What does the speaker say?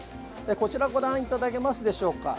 こちらご覧いただけますでしょうか。